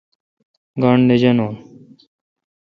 گاݨڈ نہ جانون۔